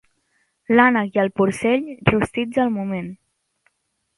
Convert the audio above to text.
L'ànec i el porcell, rostits al moment.